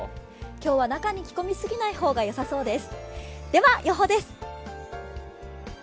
今日は中に着込み過ぎないほうがよさそうです。